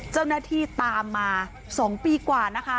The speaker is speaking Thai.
เจ้าหน้าที่ตามมา๒ปีกว่านะคะ